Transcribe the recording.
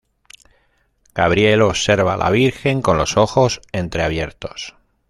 Gabriel observa a la virgen con los ojos entre abiertos.